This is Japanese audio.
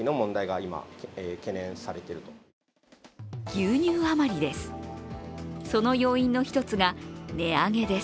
牛乳余りです。